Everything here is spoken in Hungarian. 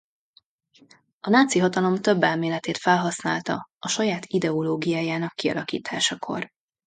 A náci hatalom több elméletét felhasználta a saját ideológiájának kialakításakor.